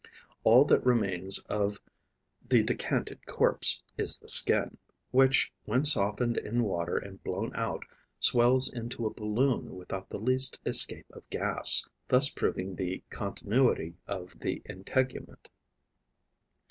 All that remains of the decanted corpse is the skin, which, when softened in water and blown out, swells into a balloon without the least escape of gas, thus proving the continuity of the integument.